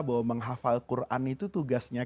bahwa menghafal quran itu tugasnya